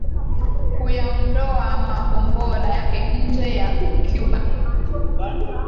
kuyaondoa makombora yake nje ya Cuba